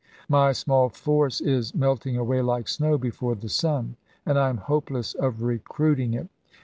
My small force is melting away like snow before the sun, and I am hopeless of recruiting it.